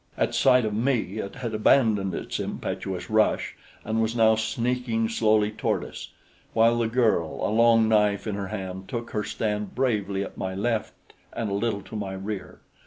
At sight of me it had abandoned its impetuous rush and was now sneaking slowly toward us; while the girl, a long knife in her hand, took her stand bravely at my left and a little to my rear.